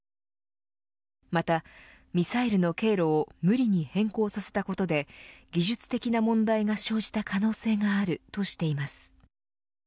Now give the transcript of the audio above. また、ミサイルの経路を無理に変更させたことで技術的な問題が生じた可能性があるとしています。